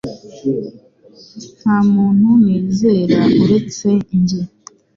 Nta muntu nizera uretse njye.